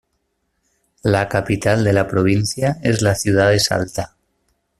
La capital de la Provincia es la ciudad de Salta.